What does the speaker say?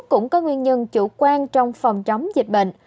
cũng có nguyên nhân chủ quan trong phòng chống dịch bệnh